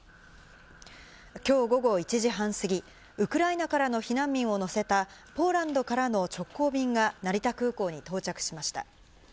きょう午後１時半過ぎ、ウクライナからの避難民を乗せたポーランドからの直行便が成田空港に到着しました。